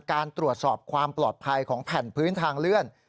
การตรวจสอบความปลอดภัยของแผ่นพื้นทางเลื่อน